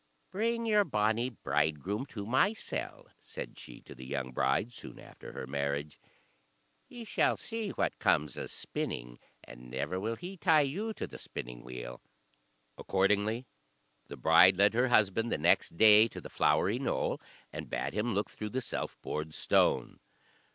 "Bring your bonny bridegroom to my cell," said she to the young bride soon after her marriage; "he shall see what comes o' spinning, and never will he tie you to the spinning wheel." Accordingly the bride led her husband the next day to the flowery knoll, and bade him look through the self bored stone.